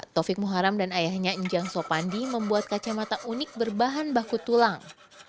taufik muharam dan ayahnya injang sopandi membuat kacamata unik berbahan baku tulang